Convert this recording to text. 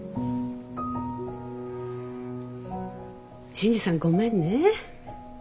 新次さんごめんね。